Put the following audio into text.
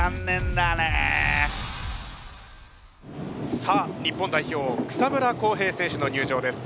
さあ日本代表草村航平選手の入場です。